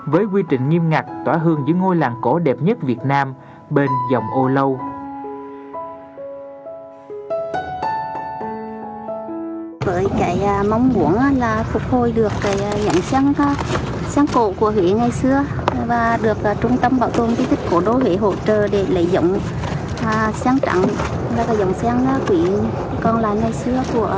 với quy trình nghiêm ngặt tỏa hương giữa ngôi làng cổ đẹp nhất việt nam bên dòng âu lâu